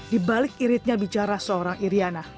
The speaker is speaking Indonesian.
di balik iritnya bicara seorang iryana